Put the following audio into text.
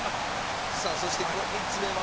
さあそしてこれ３つ目は？